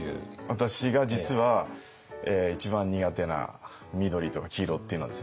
私が実は一番苦手な緑とか黄色っていうのはですね